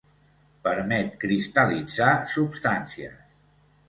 Permet cristal·litzar substàncies.